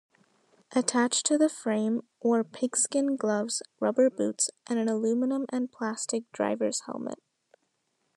Attached to the frame were pigskin gloves, rubber boots, and an aluminum-and-plastic diver's helmet.